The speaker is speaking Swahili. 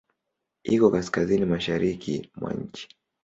Iko Kaskazini mashariki mwa nchi.